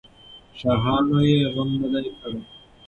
شاهانو یې غم نه دی کړی.